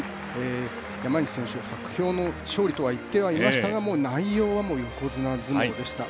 山西選手、薄氷の勝利と言ってはいましたが内容は横綱相撲でした。